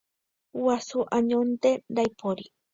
Guasu añónte ndaipóri.